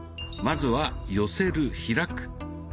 まずは「寄せる・開く」。